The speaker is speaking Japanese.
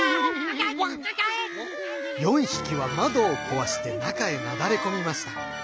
４ひきはまどをこわしてなかへなだれこみました。